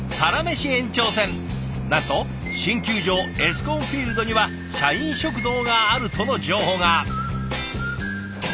なんと新球場エスコンフィールドには社員食堂があるとの情報が。